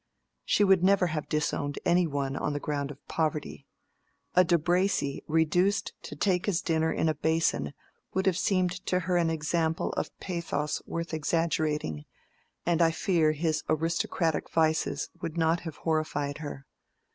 She would never have disowned any one on the ground of poverty: a De Bracy reduced to take his dinner in a basin would have seemed to her an example of pathos worth exaggerating, and I fear his aristocratic vices would not have horrified her.